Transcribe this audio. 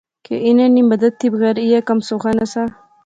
کہ انیں نی مدد تھی بغیر ایہہ کم سوخا نہسا